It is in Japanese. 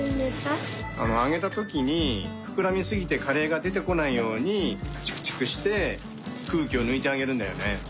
あげたときにふくらみすぎてカレーがでてこないようにチクチクしてくうきをぬいてあげるんだよね。